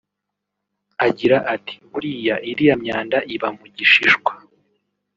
Agira ati “Burya iriya myanda iba mu gishishwa